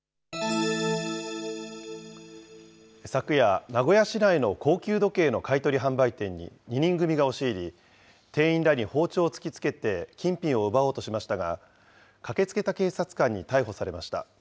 昨夜、名古屋市内の高級時計の買い取り販売店に２人組が押し入り、店員らに包丁を突きつけて金品を奪おうとしましたが、駆けつけた警察官に逮捕されました。